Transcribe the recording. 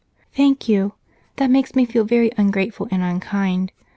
"Thank you that makes me feel very ungrateful and unkind.